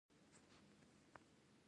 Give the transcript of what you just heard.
پاچا عدالت په نظر کې نه نيسي.